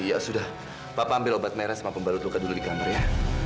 ya sudah papa ambil obat meres sama pembalut luka dulu di kamar ya